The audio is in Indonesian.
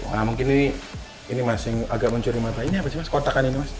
nah mungkin ini masih agak mencuri mata ini apa sih mas kotakan ini mas